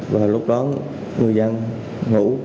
và lúc đó người dân ngủ